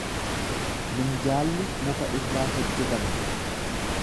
Minjaalli muka irraa hojjetame.